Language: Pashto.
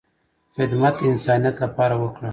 خدمت د انسانیت لپاره وکړه،